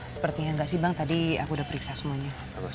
sepertinya nggak sih bang tadi aku udah periksa semuanya